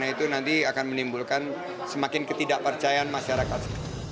nah itu nanti akan menimbulkan semakin ketidakpercayaan masyarakat